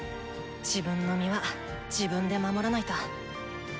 自分の身は自分で守らないと。